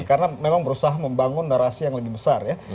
karena memang berusaha membangun narasi yang lebih besar ya